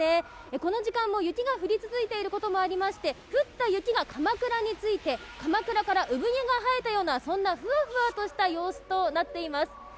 この時間も雪が降り続いていることもありまして降った雪がかまくらについてかまくらから産毛が生えたような、ふわふわした様子となっています。